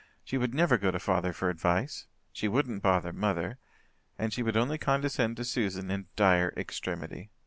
She would never go to father for advice she wouldn't bother mother and she would only condescend to Susan in dire extremity.